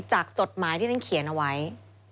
สวัสดีครับคุณผู้ชมค่ะต้อนรับเข้าที่วิทยาลัยศาสตร์